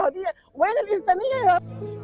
di mana kemanusiaan